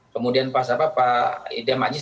kemudian pak idem majis